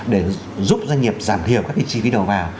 để giúp doanh nghiệp giảm thiểu các cái chi phí đầu vào